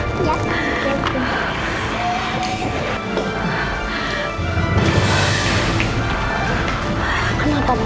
kita lanjut main ya